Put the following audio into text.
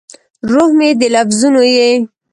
روح مې د لفظونو یې